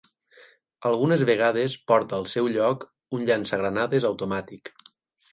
Algunes vegades porta al seu lloc un llançagranades automàtic.